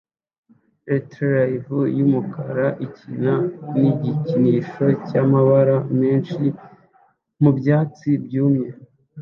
Retriever yumukara ikina nigikinisho cyamabara menshi mubyatsi byumye